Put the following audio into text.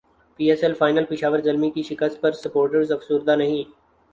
پی S L final Peshawar Zalmi کی شکست پر سپورٹرز افسردہ نہیں